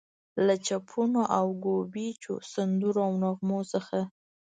له چپنو او ګوبیچو، سندرو او نغمو څخه.